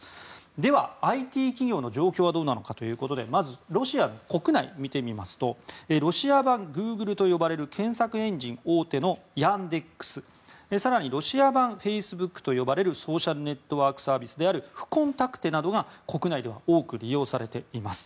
では、ＩＴ企業の状況はどうかというとまずロシアの国内を見てみますとロシア版グーグルと呼ばれる検索エンジン大手のヤンデックス更にロシア版フェイスブックと呼ばれるソーシャルネットワークサービスフコンタクテなどが国内では多く利用されています。